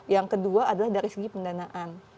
yang kedua adalah dari segi pendanaan